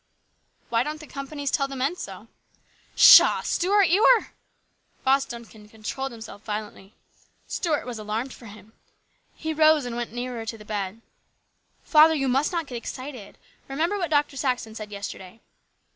" Why don't the companies tell the men so ?"" Pshaw ! Stuart, you are " Ross Duncan controlled himself violently. Stuart was alarmed for him. He rose and went over nearer the bed. " Father, you must not get excited. Remember what Dr. Saxon said yesterday.